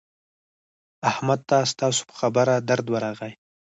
احمد ته ستاسو په خبره درد ورغی.